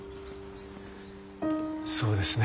そうですね。